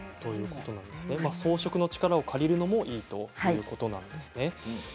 装飾の力を借りるのもいいということですね。